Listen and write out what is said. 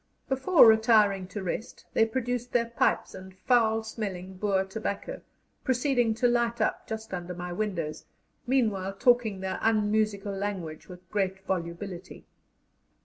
Before retiring to rest, they produced their pipes and foul smelling Boer tobacco, proceeding to light up just under my windows, meanwhile talking their unmusical language with great volubility.